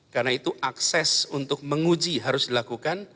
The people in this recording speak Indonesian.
karena itu akses untuk menguji harus dilakukan